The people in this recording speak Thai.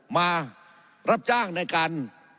มารับจ้างในการ